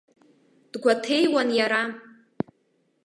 Дгәаҭеиуан иара.